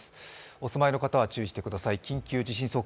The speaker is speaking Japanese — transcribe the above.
お住まいの方は注意してください。